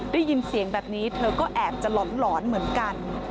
ได้ยินเสียงแบบนี้เธอก็แอบจะหลอนเหมือนกัน